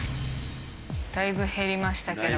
だいぶ減りましたけど。